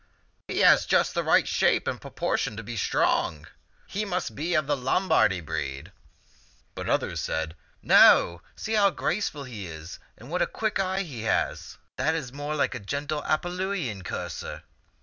" He has just the right shape and proportion to be strong. He must be of the Lombardy breed." But others said, " No ; see how graceful he is and what a quick eye he has ! That is more like a gentle Apulian courser."